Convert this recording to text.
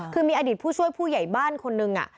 คือมีอดีตผู้ช่วยผู้ใหญ่บ้านคนหนึ่ง